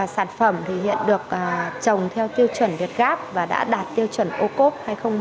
sản phẩm hiện được trồng theo tiêu chuẩn việt gáp và đã đạt tiêu chuẩn ô cốp hai nghìn một mươi